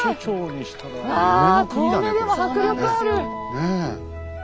ねえ。